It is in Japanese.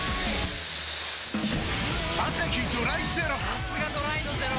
さすがドライのゼロ！